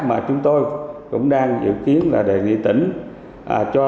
mà chúng tôi cũng đang dự kiến là đề nghị tỉnh cho